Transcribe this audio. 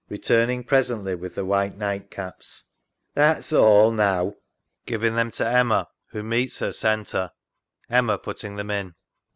Re turning presently with the white nightcaps) That's all now. [Giving them to Emma, who meets her center. EMMA (putting them in).